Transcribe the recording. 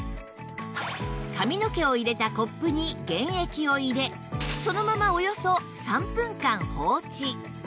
髪の毛を入れたコップに原液を入れそのままおよそ３分間放置